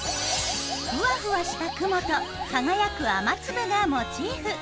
ふわふわした雲と輝く雨粒がモチーフ。